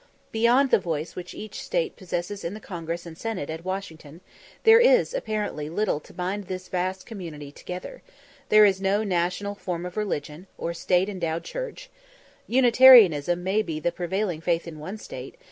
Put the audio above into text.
Beyond the voice which each State possesses in the Congress and Senate at Washington, there is apparently little to bind this vast community together; there is no national form of religion, or state endowed church; Unitarianism may be the prevailing faith in one State.